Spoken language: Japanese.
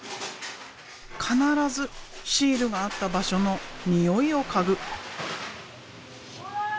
必ずシールがあった場所の匂いを嗅ぐ。